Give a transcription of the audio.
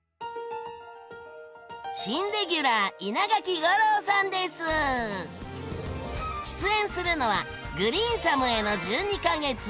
新レギュラー出演するのは「グリーンサムへの１２か月」。